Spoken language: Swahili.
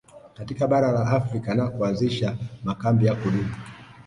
Katika bara la Afrika na kuanzisha makambi ya kudumu